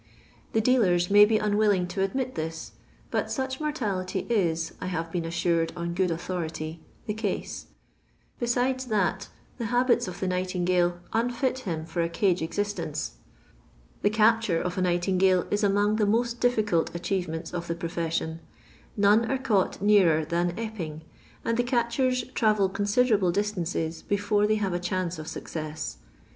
The dealers may be unwilling to admit this; but tuch mor tality is, I have been assured on good authority, the case ; besides that, the habits of the nightin gale unfit him for a cage existence. The capture of the nightingale is among the most difficult achievements of the profession. None are caught nearer than Epping, and the catchers travel considerable distances before they have a chance of success.